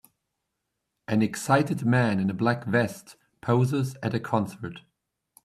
An excited man in a black vest poses at a concert.